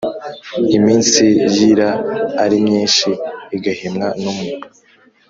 Iminsi yira ari myinshi igahimwa n’umwe.